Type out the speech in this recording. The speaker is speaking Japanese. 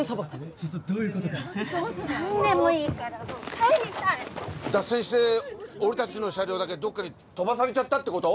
ちょっとどういうことかえっ何でもいいからもう帰りたい脱線して俺達の車両だけどっかに飛ばされちゃったってこと？